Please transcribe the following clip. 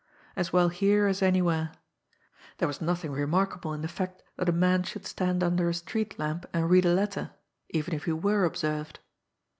As well here as anywhere! There was nothing remarkable in the fact that a man should stand under a street lamp and read a letter even if he were observed.